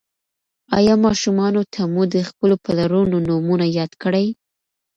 ایا ماشومانو ته مو د خپلو پلرونو نومونه یاد کړي؟